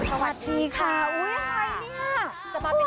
สวัสดีค่ะอุ้ยอะไรเนี่ย